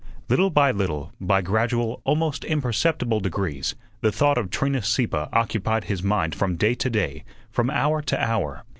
Little by little, by gradual, almost imperceptible degrees, the thought of Trina Sieppe occupied his mind from day to day, from hour to hour.